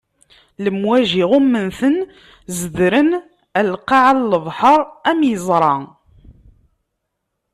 Lemwaǧi ɣumment-ten, zedren ɣer lqaɛa n lebḥeṛ, am yeẓra.